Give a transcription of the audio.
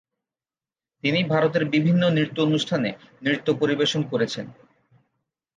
তিনি ভারতের বিভিন্ন নৃত্য অনুষ্ঠানে নৃত্য পরিবেশন করেছেন।